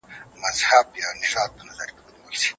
د قمرۍ صبر د حیات الله پام ورته واړاوه.